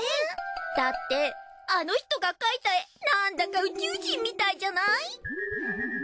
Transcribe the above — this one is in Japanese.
だってあの人が描いた絵なんだか宇宙人みたいじゃない？